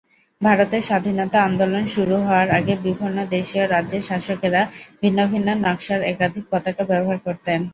ভারতের স্বাধীনতা আন্দোলন শুরু হওয়ার আগে বিভিন্ন দেশীয় রাজ্যের শাসকেরা ভিন্ন ভিন্ন নকশার একাধিক পতাকা ব্যবহার করতেন।